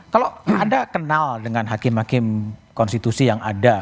kalau anda kenal dengan hakim hakim konstitusi yang ada